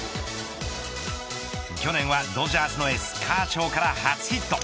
去年は、ドジャースのエースカーショーから初ヒット。